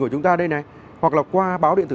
của chúng ta ở đây này hoặc là qua báo điện tử